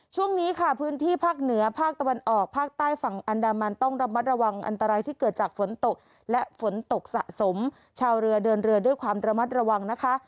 ช่วงนี้ค่ะพื้นที่ภาคเหนือภาคตะวันออกภาคใต้ฝั่งอันดามันต้องระมัดระวังอันตรายที่เกิดจากฝนตกและฝนตกสะสมชาวเรือเดินเรือด้วยความระมัดระวังนะคะ